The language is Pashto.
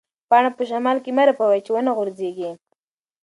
پاڼه په شمال کې مه رپوئ چې ونه غوځېږي.